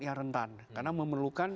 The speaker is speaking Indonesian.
yang rentan karena memerlukan